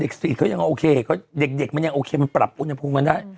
เด็กศ์ตรีทเขายังโอเคเด็กไม่ใช่โอเคมันปรับอุณหภูมิเหมือนได้